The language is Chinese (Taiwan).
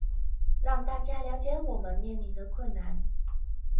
讓大家了解我們面臨的困難